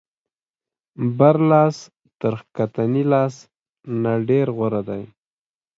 بر لاس تر ښکتني لاس نه ډېر غوره دی.